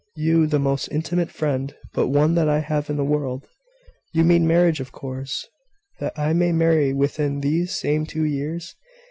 You, the most intimate friend but one that I have in the world! You mean marriage of course; that I may marry within these same two years?